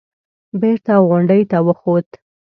بېرته غونډۍ ته وخوت.